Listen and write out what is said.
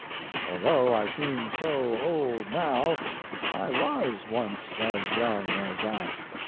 Although I seem so old now I was once as young as that.